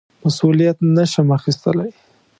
مسوولیت نه شم اخیستلای.